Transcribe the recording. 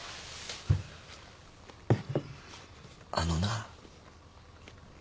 あのな。